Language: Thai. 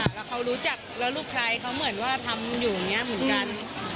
แล้วเขารู้จักแล้วลูกชายเขาเหมือนว่าทำอยู่อย่างนี้เหมือนกัน